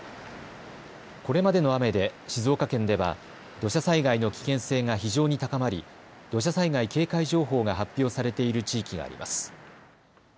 これまでの雨で静岡県では土砂災害の危険性が非常に高まり土砂災害警戒情報が発表されている地域があります。